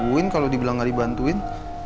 gak bisa dibantuin kalo dibilang gak dibantuin